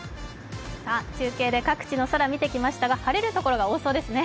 中継で各地の空を見てきましたが晴れるところが多そうですね。